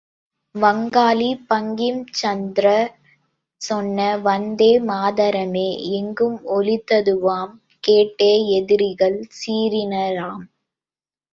வங்காளி பங்கிம்சந்த்ரர் சொன்ன வந்தே மாதரமே எங்கும் ஒலித்ததுவாம் கேட்டே எதிரிகள் சீறினராம்.